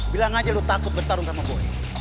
bilang aja lo takut bertarung sama boe